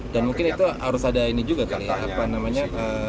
dan mungkin itu harus ada ini juga kan ya apa namanya